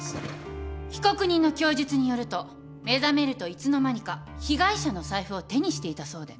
被告人の供述によると目覚めるといつの間にか被害者の財布を手にしていたそうで。